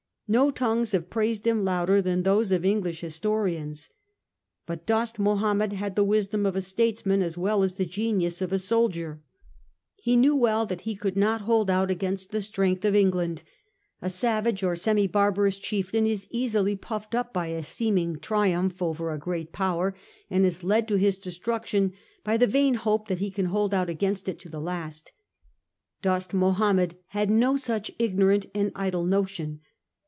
No tongues have praised him louder than those of English historians. But Dost Mahomed had the wisdom of a statesman as well as the genius of a soldier. He knew well that 238 A HISTORY OR OUR OWN TIMES. on. xi. lie could not hold out against the strength of England. A savage or semi barbarous chieftain is easily puffed up by a seeming triumph over a great Power, and is led to his destruction by the vain hope that he can hold out against it to the last. Dost Mahomed had no such ignorant and idle notion.